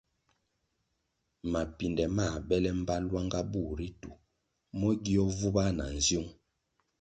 Mapinde mā bele mbpa lwanga bur ritu mo gio vubah na nziung.